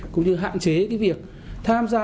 cũng như hạn chế việc tham gia